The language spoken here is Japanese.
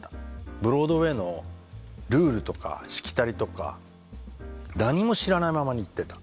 ブロードウェイのルールとかしきたりとか何も知らないままに行ってた。